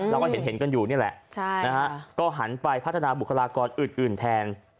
เราก็เห็นกันอยู่นี่แหละก็หันไปพัฒนาบุคลากรอื่นแทน